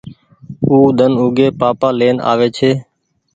او ۮن اوگي پآپآ لين آوي ڇي۔